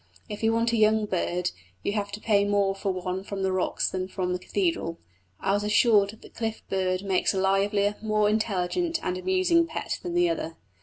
If you want a young bird you have to pay more for one from the rocks than from the cathedral. I was assured that the cliff bird makes a livelier, more intelligent and amusing pet than the other.